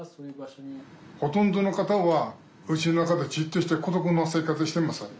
ほとんどの方はうちの中でじっとして孤独な生活しています。